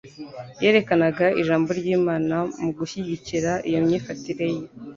Yerekanaga Ijambo ry'Imana mu gushyigikira iyo myifatire Ye.